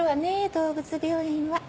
動物病院は。